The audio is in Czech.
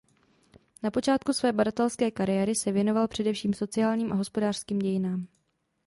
Na počátku své badatelské kariéry se věnoval především sociálním a hospodářským dějinám.